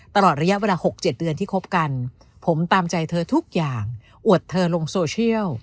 ตลอดระยะเวลา๖๗เดือนที่คบกันผมตามใจเธอทุกอย่างอวดเธอลงโซเชียล